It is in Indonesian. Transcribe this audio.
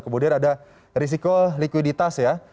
kemudian ada risiko likuiditas ya